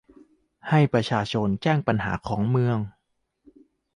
ให้ประชาชนแจ้งปัญหาของเมือง